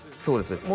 そうです